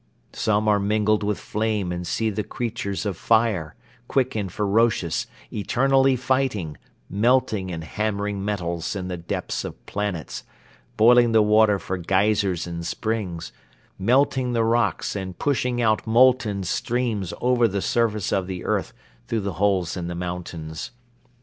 Some are mingled with flame and see the creature of fire, quick and ferocious, eternally fighting, melting and hammering metals in the depths of planets, boiling the water for geysers and springs, melting the rocks and pushing out molten streams over the surface of the earth through the holes in the mountains.